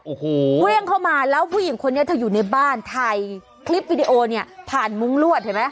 โอ้โหวิ่งเข้ามาแล้วผู้หญิงคนนี้เธออยู่ในบ้านถ่ายคลิปวิดีโอเนี่ยผ่านมุ้งลวดเห็นไหม